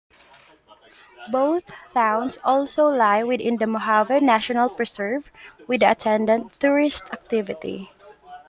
Both towns also lie within the Mojave National Preserve, with the attendant tourist activity.